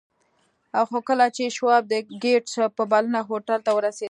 خو کله چې شواب د ګیټس په بلنه هوټل ته ورسېد